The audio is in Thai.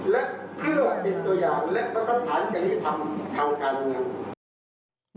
และเพื่อเป็นตัวอย่างและประธันภาษณ์การิธรรมทางการลงงาน